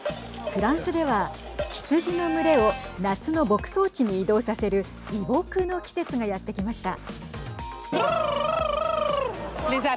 フランスでは羊の群れを夏の牧草地に移動させる移牧の季節がやって来ました。